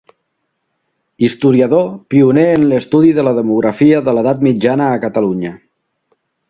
Historiador, pioner en l'estudi de la demografia de l'edat mitjana a Catalunya.